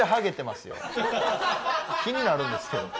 気になるんですけど。